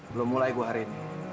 belum mulai gue hari ini